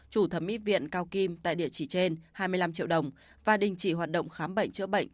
chủ thẩm mỹ viện cao kim tại địa chỉ trên hai mươi năm triệu đồng và đình chỉ hoạt động khám bệnh chữa bệnh